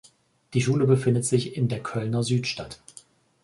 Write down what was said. Die Schule befindet sich in der Kölner Südstadt.